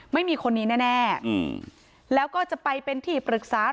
ไม่มีคนนี้แน่แล้วก็จะไปเป็นที่ปรึกษา